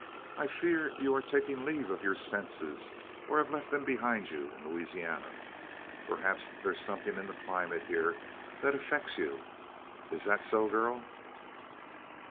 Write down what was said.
I fear you are taking leave of your senses, or have left them behind you in Louisiana? Perhaps there's something in the climate here that affects you. Is that so, girl?"